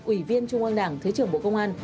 ủy viên trung an đảng thứ trưởng bộ công an